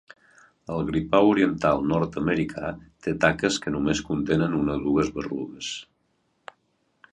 El gripau oriental nord-americà té taques que només contenen una o dues berrugues.